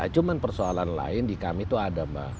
cuma persoalan lain di kami itu ada mbak